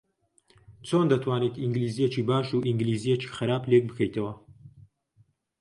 چۆن دەتوانیت ئینگلیزییەکی باش و ئینگلیزییەکی خراپ لێک بکەیتەوە؟